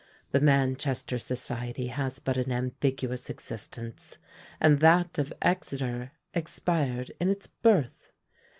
The Manchester society has but an ambiguous existence; and that of Exeter expired in its birth.